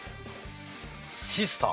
シスター。